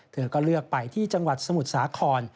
เธอก็เลือกไปที่จังหวัดสมุทรสาคร